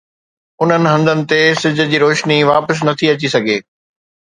انهن هنڌن تي سج جي روشني واپس نٿي اچي سگهي.